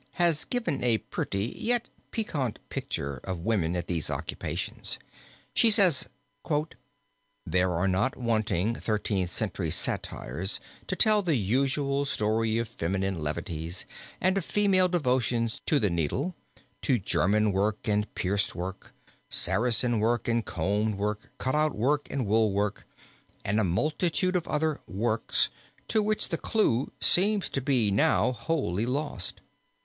] has given a pretty, yet piquant picture of woman at these occupations. She says: "There are not wanting Thirteenth Century satires to tell the usual story of female levities, and of female devotion to the needle, to German work and pierced work, Saracen work and combed work, cutout work and wool work, and a multitude of other "works" to which the clue seems to be now wholly lost.